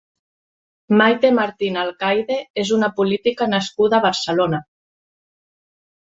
Maite Martín Alcaide és una política nascuda a Barcelona.